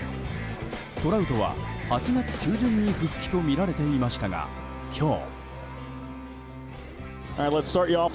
トラウトは８月中旬に復帰とみられていましたが今日。